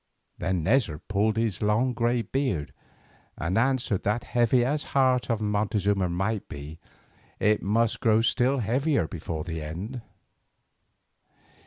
Then Neza pulled his long grey beard and answered that heavy as the heart of Montezuma might be, it must grow still heavier before the end.